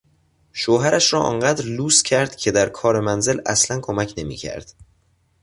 شوهرش را آنقدر لوس کرد که در کار منزل اصلا کمک نمیکرد.